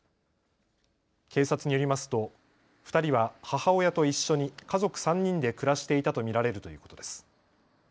警察によりますと２人は母親と一緒に家族３人で暮らしていたと見られるということです。